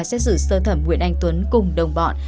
xét xử sơ thẩm nguyễn anh tuấn cùng đồng bọn